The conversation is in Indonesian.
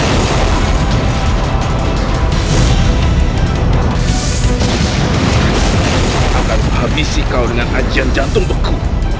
aku akan menghabisi kau dengan ajian jantung beku